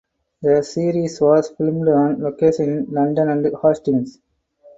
The series was filmed on location in London and Hastings.